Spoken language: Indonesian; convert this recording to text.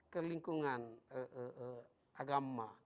ke lingkungan agama